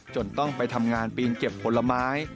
จนต้องไปทำงานปีนเก็บผลไม้